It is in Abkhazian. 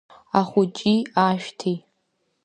Ахәыҷи ашәҭи…